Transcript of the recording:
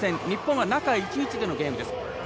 日本は中１日でのゲームです。